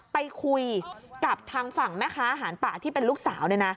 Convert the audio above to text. ไปคุยกับทางฝั่งแม่ค้าอาหารป่าที่เป็นลูกสาว